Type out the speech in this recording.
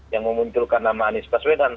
yang memunculkan nama anies baswedan